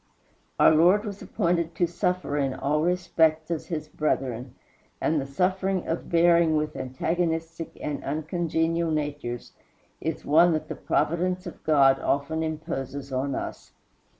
Our Lord was appointed to suffer in all respects as his brethren; and the suffering of bearing with antagonistic and uncongenial natures is one that the providence of God often imposes on us.